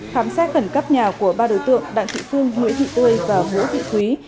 khám xét khẩn cấp nhà của ba đối tượng đặng thị phương nguyễn thị tươi và vũ thị thúy